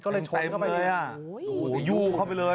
ก็เลยเช็บเข้าไปเลยอ๋อโหโหยูเข้าไปเลย